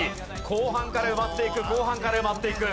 後半から埋まっていく後半から埋まっていく。